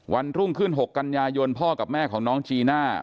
วันรุ่งขึ้น๖กันยายนพ่อกับแม่ของน้องจีน่า